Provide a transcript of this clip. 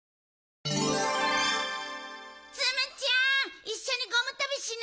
ツムちゃんいっしょにゴムとびしない？